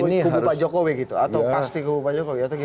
ini kubu pak jokowi gitu atau pasti kubu pak jokowi atau gimana